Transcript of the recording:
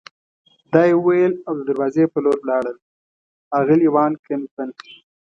دا یې وویل او د دروازې په لور ولاړل، اغلې وان کمپن.